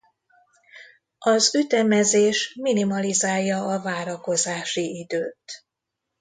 Az ütemezés minimalizálja a várakozási időt.